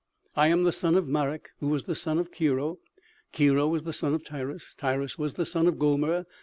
I am the son of Marik, who was the son of Kirio ... Kirio was the son of Tiras ... Tiras was the son of Gomer